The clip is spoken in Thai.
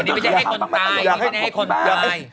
อันนี้ไม่ได้ให้คนตาย